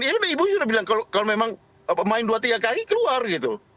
ini ibu juga bilang kalau memang main dua tiga kaki keluar gitu